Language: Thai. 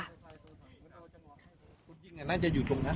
ไปดูหลักฐานในที่เกิดเหตุด้วยนะคะ